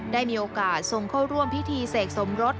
ได้มีโอกาสทรงเข้าร่วมพิธีเสกสมรส